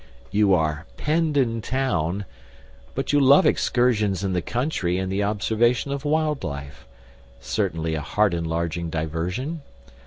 You are "penned in town," but you love excursions to the country and the observation of wild life certainly a heart enlarging diversion.